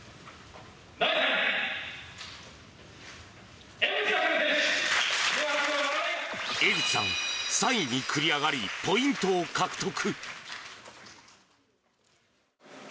第３位、江口さん、３位に繰り上がり、ポイントを獲得。